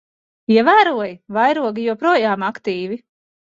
Ievēroji? Vairogi joprojām aktīvi.